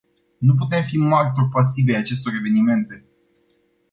Nu putem fi martori pasivi ai acestor evenimente.